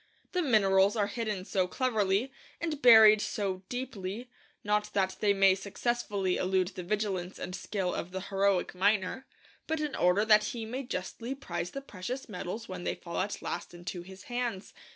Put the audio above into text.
The minerals are hidden so cleverly, and buried so deeply, not that they may successfully elude the vigilance and skill of the heroic miner, but in order that he may justly prize the precious metals when they fall at last into his hands.